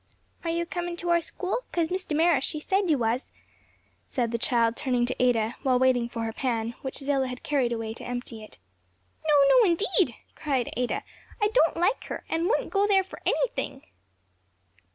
"Are you a comin' to our school? cause Miss Damaris, she said you was," said the child, turning to Ada, while waiting for her pan, which Zillah had carried away to empty it. "No! no, indeed!" cried Ada; "I don't like her, and wouldn't go there for anything!"